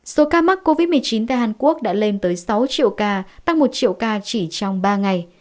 số ca mắc covid một mươi chín tại hàn quốc đã lên tới sáu triệu ca tăng một triệu ca chỉ trong ba ngày